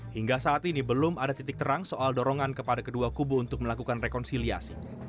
hingga saat ini belum ada titik terang soal dorongan kepada kedua kubu untuk melakukan rekonsiliasi